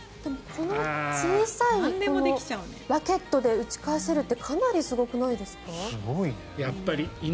この小さいラケットで打ち返せるってかなりすごくないですか？